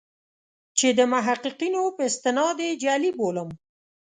چې د محققینو په استناد یې جعلي بولم.